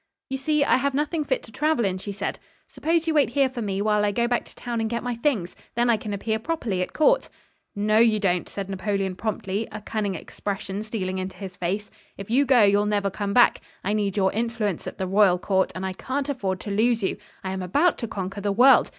"You see, I have nothing fit to travel in," she said. "Suppose you wait here for me while I go back to town and get my things? then I can appear properly at court." "No you don't," said Napoleon promptly, a cunning expression stealing into his face. "If you go you'll never come back. I need your influence at the royal court, and I can't afford to lose you. I am about to conquer the world.